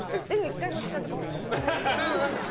１回も使ったことないです。